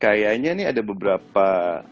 kayanya nih ada beberapa